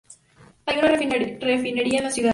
Hay una refinería en la ciudad.